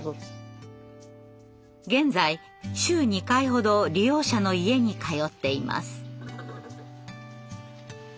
現在週２回ほど利用者の家に通っています。